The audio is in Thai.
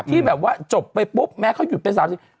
ที่แบบว่าจบไปปุ๊บแม้เขาหยุดเป็น๓๐